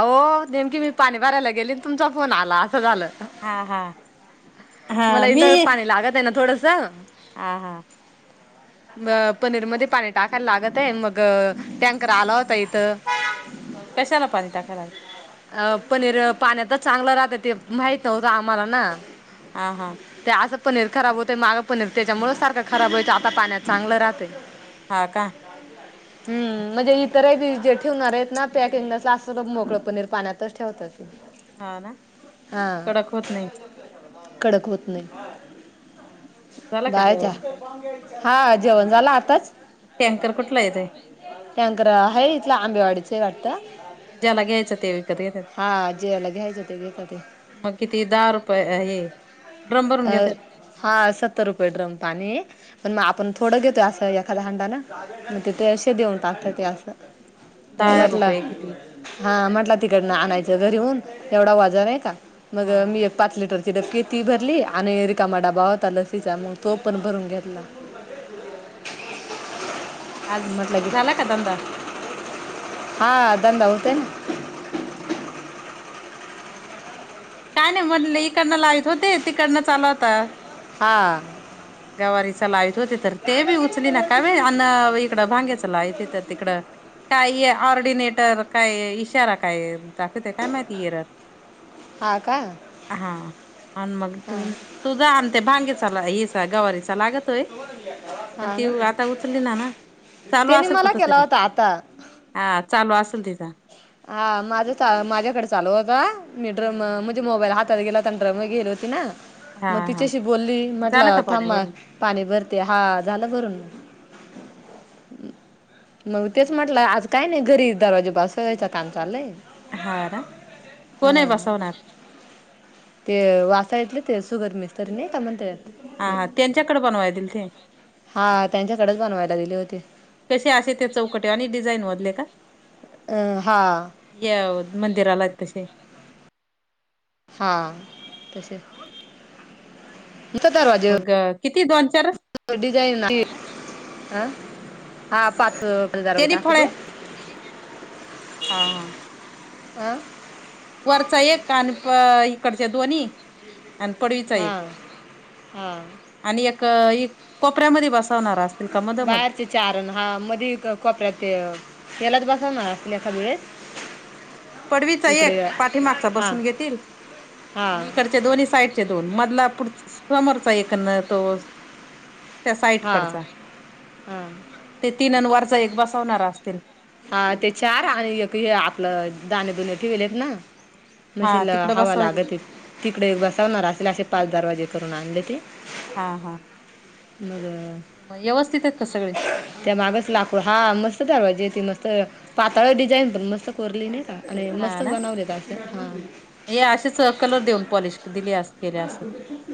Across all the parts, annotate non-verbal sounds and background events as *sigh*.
हो नेमकी मी पाणी भरायला गेली तुमचा फोन आला असं झालं हा हा हा मला इथं पाणी लागत आहे ना थोडस ह हा ह अ पनीर मध्ये पाणी टाकायला लागत आहे मग टँकर आला होता इथं कशाला पाणी टाकायला लागं अ पनीर पाण्यात तर चांगलं राहतं ते माहित होतं आम्हाला ना हा हा ते असं पनीर खराब होतं मागं पनीर त्याच्यामुळे सारखं खराब होयच आता पाण्यात चांगलं राहतय हा का हम्म हा म्हणजे ह तरी जे ठेवणार आहेत ना पॅकिंगच असं मोगळं पनीर पाण्यातच ठेवतात हा ना हा कडक होत नाही कडक होत नाही हा हा मग झाला का बाहेरच्या जेवण काय हा जेवण झालं आताच टँकर कुठला येतय त्याकर हर इथलं आंबेवाडीचं वाटतं ज्याला घ्यायचं ते विकत येतात हा जेवायला घ्यायचं ते घेत ते मग किती दहा रुपये आहे अ हा सत्तर रुपये ड्रम पाणी आहे पण मग आपण थोडं घेतोय असं एखाद हांडा ना मग तिथे असे देऊन टाकत ते असं म दहा म्हटलं रुपये किती हा म्हंटला तिकडनं आणायचं घरी होऊन एवढा वजन आहे का मग हा मी एक पाच लिटर ि डक्की ती भरली आणि रिकामा डाबा होता लसीचा म तो पण भरून घेतला हा आज म्हटलं की झाला का ंदा हा धंदा होते ना काय नाही म्हटले इकडनं लावत होते तिकडनं चालू होता हां हा गवारी च लावत होते तर ते बी उचली ना का व अन् इकडं भांग्याच लावत थ तिकड काही ऑर्डिनेटर काय इशारा काय दाखवतेय काय माहिती येरर हा का हा आणि मग तू हा तू जाते भांगेचा हचा गवारीचा लागत पण हा ती ना आता उचलली ना ना चालू त्याने असेल मला कुठ केला तरी होता आता हा चालू असेल तिचां हा माझ माझ्याकडे चालू होता मीड्र मोबाईल हाता गेला तंड मगेर होती ना हा मग हा तिच्याशी बोलली झालं म्हटलं का पाणी थांबा भरून पाणी भरते हा झाला भरून हा हा मग तेच म्हटलं आज काय नाही घरी दरवाजे ब असच काम चाललंय हा ना कोण आहे हा बसवणार ते वाचा येतले ते सुगर मिस्तरी नाही कामातया हा ते हा त्यांच्याकडे बनवाय दिल ते हा त्यांच्याकडेच बनवायला दिले होते कसे असे ते चौकटे आणि डिझाईन बधले का अं हा या मंदिराला तसे हा तसे हा हा. दरवाजे मग किती दोन चारच व डिझाईन हा ना *unintelligible* अ हा पाच हजार त्यानी त फळे ते हा हा अं वरचा एक आणि इकडच्या दोन्ही आणि पडवीचा एक हा हा आणि एक एक कोपऱ्यामध्ये बसवणार त का मदमद बाहेरचे चारण हा मध कपऱ्यात शला द बसा ना अस खाबळे पडवीचा एक पाठीमागचा बसून घेतील हा आणि इकडचे दोन्ही साईड दोन मधलाढ समोरचा एक तो त्या हा साईडकडचा हा ते तीन अनवारचा एक बसवणारा असतील. हा ते चार आणि एक हे आपलं दाणे दुणे ठेवलेत ना. हा मशीला तिकडं हवा बसवायचे लागत तिकडे बसावणार असेल असे पाच दारवाजे करून आणले ते हा हा मग अं, म व्यवस्थित आहेत का सगळे? त्या मागच लाकूड हा मस्त ठरवायजे त मस्त पातळ डिझाईन पण मस्त कोरली नता आणि मस्तक बनावलेता ह या असेच कलर देऊन पॉलिश दिली असते.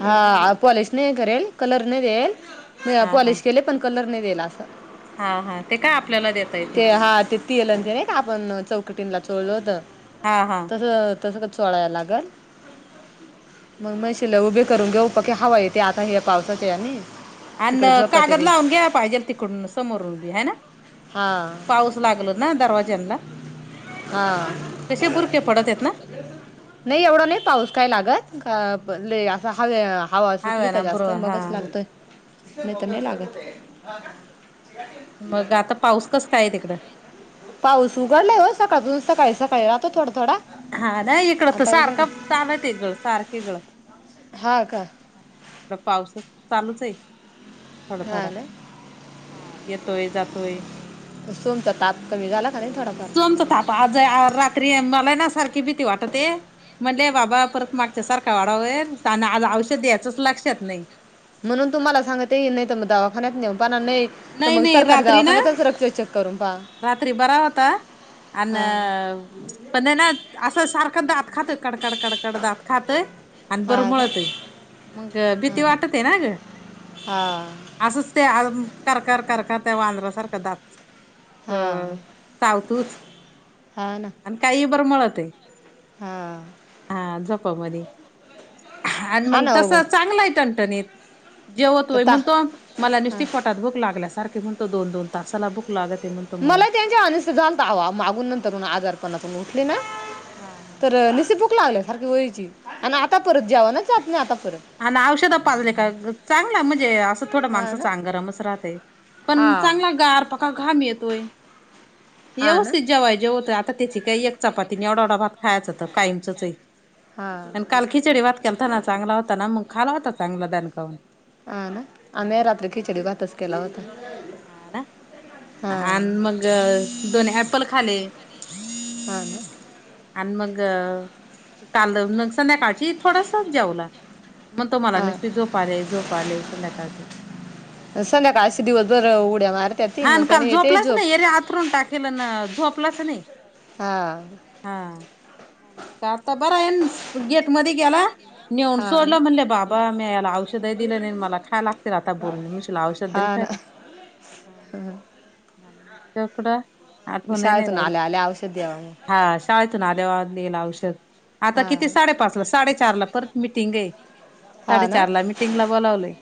हा पॉलिश नाही करेल कलर नाही देल हा हा पॉलिश केले पण कलर नाही दिला अस हा हा ते काय आपल्याला देता येतील. हा ते ल नाही ना आपण चौकटीं ला चोलो होत. हा हा. तसं तसं का सोळायला लागल. *unintelligible* मग मशिलाय उभे करून घेऊ प की हवा येते आता हे पावसाच्या ह्यानीं आणि कागद लावून घ्याला पाहिजे तिकडून समोरून बी है ना. हा पाऊस लागल ना दरवाज्यांला, हा कसे बुरके पडत आहेत ना? नाही एवढा नाही पाऊस काय लागत असं हवे हवा सुटली हव का ना बुर जास्त हा मगच लागतय. नाही तर नाही लागत हा मग आता पाऊस कस काय आहे तिकडं? पाऊस उघडला हो सकाळून सकाळी सकाळी राहतो थोडा थोडा हा नाही इकडं तर आता सारखं उघडला चालत आहे गळ सारखे गळ हा इकड पाऊसच चालूच आहे थोडा, हा थोडा. ना हा येतोय जातोय. सोमचा ताप कमी झाला का नाही थोडाफार? सोमचा थापा आज रात्री मला ना सारखी भीती वाटते ते म्हणले बाबा परत मागच्या सारखा वाढावा होइल आणि आज औषध द्याचचंच लक्षात नाही. म्हणून तुम्हाला सांगत ये नाही तर मग दवाखान्यात नेऊन पणा नाही तर नाही मग नाही सरकारी रात्री ना, दवाखान्यातच रक्त चेक करून पहा रात्री बरा होता. अन हा पण हाय ना असं सारखं दात खातं कडकड कडड कड दात खातय आणि हा बरंमळतय का मग भीती वाटते ना ग. हा. असच ते आ कर कर कर कर त्या वांदरा सारखं दात अ हा हा चावतुच हा आणि काही बरंमळतय. हां. हा झोपामध्ये आणि हा मग ना तस हो चांगलं आहे टंटनीत. तर जेवतोय ता म्हणतो. मला हा नुसती पोटात भूक लागल्यासारखे म्हणतो दोन दोन तासाला भूक लागत म्हण मला त्यांच्या अनस् झालत आवा मागून नंतर आजारपणाातून उठले ना. हा हा. तर नुसती भूक लागले सारखी व्हयची आणि आता परत जेवणच जात नाही आता परत. आणि औषधं पाजले का चांगला म्हणजे आस पण थोडं हा ना माणसाच आंग गरमच राहतंय, पण हा चांगला गार फक्त का घाम येतोय. हा ना व्यवस्थित जेवय जेवतय आता ता त्याची काही एक चपातीने एवढा ढा भात खायचंत कायमचच हाय. ना चांगला हां होता मग खाला होता चांगला दानकावून. हा ना. आम्ही रात्री खिचडी भातच केला होता. हा ना हा आणि मग दोन ऍपल खाले. हा ना. आणि मग काल नग संध्या काळज थोडासच जेऊला. म्हणतो मला निस्ती हा झोप आली झोप आली संध्याकाळचे. संध्याकाळशी दिवस जर उड्या मार हा न काल झोपलाच नाही एरे आथरून टाकेल ना झोपलाच नाही. हा हा मग आता बर आहेन गेट मध्ये गेला. नेऊन हा ना सोडलं म्हणले बाबा मी याला औषधही दिलं नाही मला खाय लागतील आता बोलन म्हशील औषध हा दिलथ ना काय. हा नमककुड. आठवण नाही शाळेतून राहिली. आल्या आल्या औषध द्यावा मग आज शाळेतून आल्यावर देईन औषध आता हा किती साडेपाच ला साडेचार ला परत मिटिंग आहे. हा ना साडेचार ला मीटिंग ला बोलावले.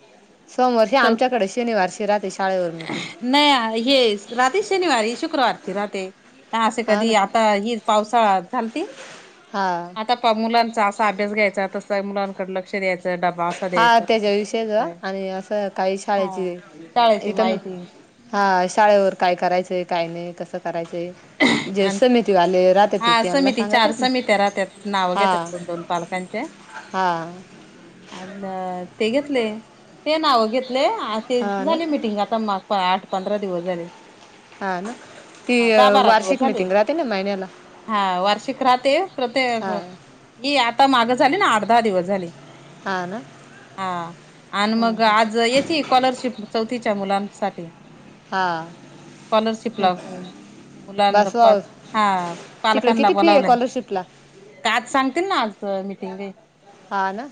सोमवारशी चौथी. आमच्याकडे शनिवारशी राहते शाळेवर मिटिंग. नाही हे राहते शनिवारी शुक्रवारची राहते असे हा कधी ना आप आता ही पावसाळा झाल ती. हाअ्ं आता मुलांचा असाअभ्यास घ्यायचा तसं मुलांकडे लक्ष द्यायचं डबा हा द्यायचा तसा त्यांच्याविषयच द्यायचा. आणि असं काही हा शाळेची शाळेची इथं माहिती हा शाळेवर काय करायचंय काय नाही कसं करायचंय. जे आणि समिती वाले राहते त हा त्यांना समिती सांगत चार ना समित्या राहत्यात नाव घेतात हा. दोन हा. ह ते घेतले ते नाव घेतले ते हां ना झालेमिटिंग आता मग आठ पंधरा दिवस झाले. ह ना. ती हा दहा बारा दिवस वार्षिक झाले मिटिंग राहते ना महिन्याला हा वार्षिक राहते प्रत्येक हां ही आता मागं झाली ना आठ दहा दिवस झालं. हां ना हाअ्ं आणि हां मग हां आज स्कॉलरशिप चौथीच्या मुलानंसाठी. हां स्कॉलरशिपला मग हो. मुलांन द् बस वाव हाअ्ं तिकडे पालकांना किती फी आहे बोलावलंय. कॉलरशिपला आज सांगतील ना आज मीटिंग हा ना,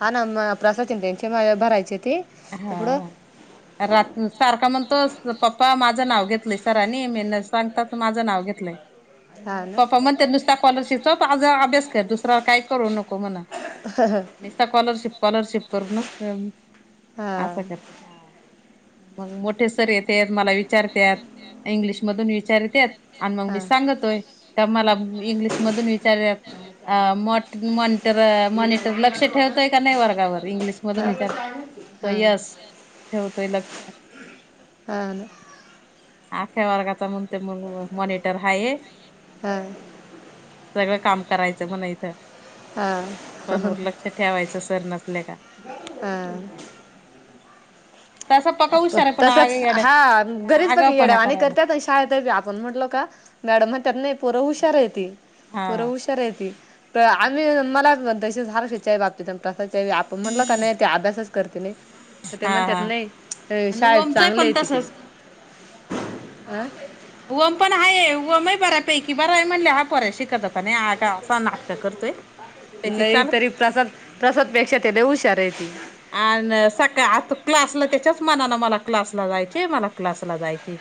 हा ना म *unintelligible* त्यांची मा भरायची ती. हाअ्ं रात्र सारखा म्हणतो पप्पा माझं नाव घेतलं सरांनी मी न सांगताच माझं नाव घेतलंय. हां ना पप्पा म्हणते नुसत स्कॉलरशिपचा आज अभ्यास कर दुसरा काय करू नको. हो ना नसता स्कॉलरशिप स्कॉलरशिप करू असं. हा *inaudible* मग मोठे सर येतेत मला विचारत्यात इंग्लिश मधून विचारतात. आणि मग मी सांगतोय का मला इंग्लिश मधून विचारत्यात. अ मॉ मॉनिटर मॉनिटर लक्ष ठेवतोय का नाही वर्गावर इंग्लिशमधून विचार यस ठेवतोय लक्ष. अख्या वर्गाचा म्हणतोय मग मॉनिटर हाये. हां सगळं काम करायचं म्हण इथ मुलांवरी लक्ष ठेवायचं सर नसल्या हां तसा पका हुशार आहे पण आग तसंच येड्या हा घरीच बघ आगावपणा येड्यावानी करायला करतात आणि शाळेत बी आपण म्हटलं का? मॅडम म्हणत्यात नाही पोरं हुशार आहेती हा पोरं हुशा र हायेती त आम्ही मला तशीच हर्षच्या बाबतीत *unintelligible* ते आपण म्हणलं का नाही ते अभ्यासच करते नाही तर ते हा म्हणत्यात हा नाही अ, आणि शाळेत ओमच चांगले पण आहे तिथे. तसच ओम पण हाये ओमही बऱ्या पैकी बरा आहे म्हणले हा पोऱ्या शिकत होता नाही हा का हा नाटकं करतोय त्याची नाही चाल तरी प्रसाद प्रसादपेक्षा ते लय हुशार आहेती. आन सकाळ आता क्लासला त्यांच्याच मनानं मला क्लासला जायचे मला क्लासला जायचे.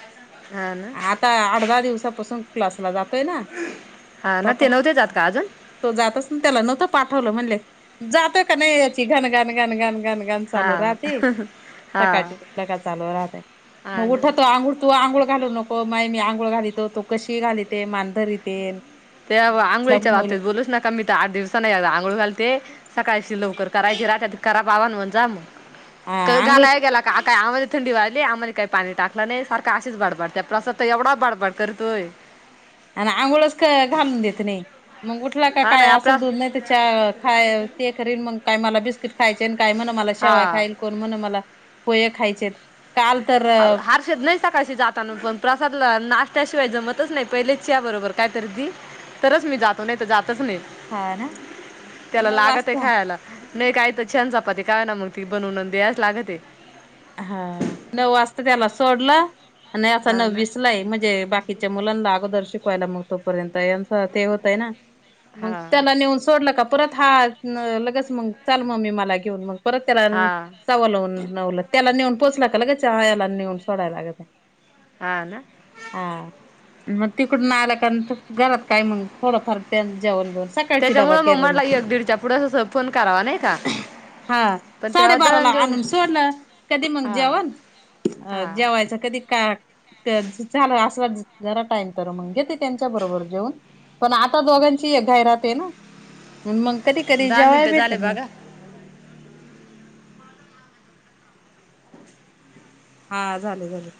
हा ना आता आठ दहा दिवसापासून क्लासला जातोय ना हा ना ते नव्हते जात का अजून तो जातच ना त्याला नव्हतं पाठवलं म्हणले जातोय का नाही याची घन, घन, घन, घन, घन व्याम हा चालू राहती हा सकाळची उठलं का चालू राहतयं हा मग ना उठतो आंघुळ तू आंघुळ घालू नको माई मी आंघोळ घालीतो तू कशी घालीते मान धरीते. ते व तुला आंघोळीच्या महिला बाबतीत बोलूच नका मी त आठ दिवसानी याला आंघोळ घालते. सकाळशी लवकर करायची राहत्यात करा बावानो जा म. क आंघोळ घालाय गेला का काय आमाल थंडी वाढली आम्हाल काय पाणी टाकलं नाही सारखं आसेच वाढ *unintelligible* त्या प्रासात त एवढा बाडबाड करतोय. आणि आंघोळच क घालून देत नाही मंग उठला का हा काय नाही आसं आपला दूध नाय त च्या खाय ते करेन मग काय मला बिस्किट खायचे काय म्हण मला शेवाय हा खाईल. कोण म्हण मला पोये खायचेत. *inaudible* देत नाही सकाळशी जाताना पण प्रसादला नाष्ट्याशिवाय जमतच नाही पहिले च्या बरोबर काय तरी दि तरच मी जातो नाही तर जातच नाही हा ना त्याला नऊ लागातंय वाजता खायाला नाही काय त च्या न चपाती काय ना मग ती बनवून द्यायाच लागतंय. हा नऊ वाजता त्याला सोडलं आणि याचं हा नऊ ना वीसला हाय म्हणजे किच्या मुलांना आगोदर शिकवायला मग तोपर्यंत यांच ते होतय ना मंग हा त्याला नेऊन सोडलं का परत हा न लगेच मंग चल मग मी मला घेऊन मग. परत त्याला न हा साव लावून लावलय. त्याला नेऊन पोचला का लगेच अ याला नेऊन सोडाय लागते. हा ना हा मग तिकडून आलं का घरात काय मग थोडं फार त्या जेवान बस त्याच्यामुळं मग म्हणला एक दीडच्या पुढं असं फोन करावा, नाही का? हा पण तेव्हा साडेबारा ला दळण घेऊन आणून सोडलं कधी मग हा जेवण अ हा जेवा यचं कधी का क झाला असंच जरा टाईम तर म घेते त्यांच्या बरोबर जेऊन पण आता दोघांची एक घाय राहते ना मग कधी कधी दहा जेवाय मिनटं भेटत झाले नाय. बघा हा झाले झाले.